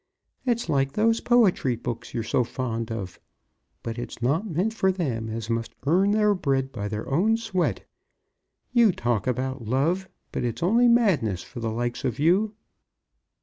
It's like those poetry books you're so fond of. But it's not meant for them as must earn their bread by their own sweat. You talk about love, but it's only madness for the like of you."